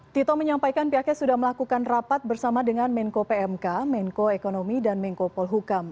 tito menyampaikan pihaknya sudah melakukan rapat bersama dengan menko pmk menko ekonomi dan menko polhukam